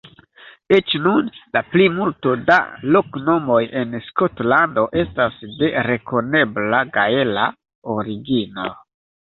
Eĉ nun, la plimulto da loknomoj en Skotlando estas de rekonebla gaela origino.